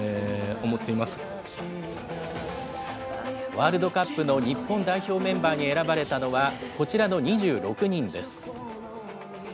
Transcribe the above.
ワールドカップの日本代表メンバーに選ばれたのはこちらの２６人です。